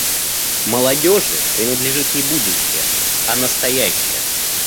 Молодежи принадлежит не будущее, а настоящее.